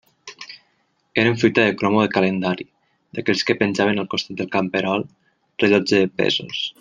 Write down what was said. Eren fruita de cromo de calendari, d'aquells que penjaven al costat del camperol rellotge de pesos.